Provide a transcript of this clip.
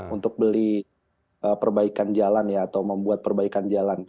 untuk beli perbaikan jalan ya atau membuat perbaikan jalan